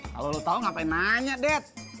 kalau lu tau ngapain nanya det